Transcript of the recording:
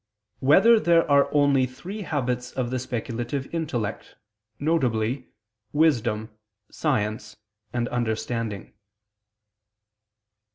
2] Whether There Are Only Three Habits of the Speculative Intellect, Viz. Wisdom, Science and Understanding?